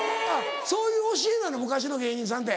そういう教え昔の芸人さんって。